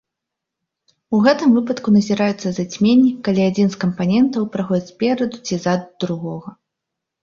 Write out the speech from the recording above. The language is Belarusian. У гэтым выпадку назіраюцца зацьменні, калі адзін з кампанентаў праходзіць спераду ці ззаду другога.